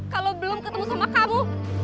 kalau belum ketemu sama kamu